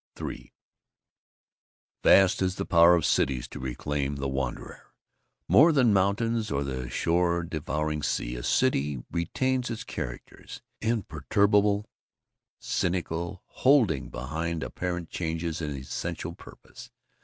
III Vast is the power of cities to reclaim the wanderer. More than mountains or the shore devouring sea, a city retains its character, imperturbable, cynical, holding behind apparent changes its essential purpose.